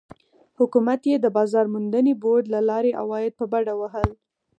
حکومت یې د بازار موندنې بورډ له لارې عواید په بډه وهل.